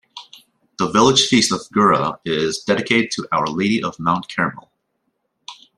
The Village Feast of Fgura is dedicated to Our Lady of Mount Carmel.